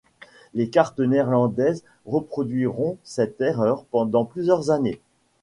Les cartes néerlandaises reproduiront cette erreur pendant plusieurs années.